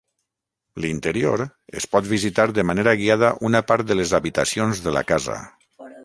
L'interior es pot visitar de manera guiada una part de les habitacions de la casa.